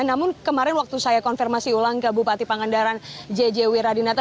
namun kemarin waktu saya konfirmasi ulang ke bupati pangandaran jj wiradinata